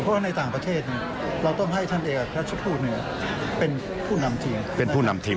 เพราะว่าในต่างประเทศเราต้องให้ท่านเอกรัชผู้เป็นผู้นำทีม